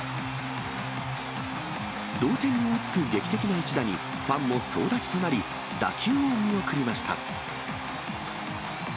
同点に追いつく劇的な一打に、ファンも総立ちとなり、打球を見送りました。